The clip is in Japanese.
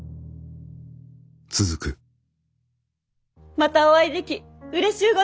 またお会いできうれしゅうございます。